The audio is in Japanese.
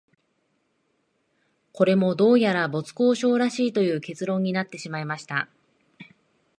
これも、どうやら没交渉らしいという結論になってしまいました